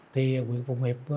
thì quyền phụng hiệp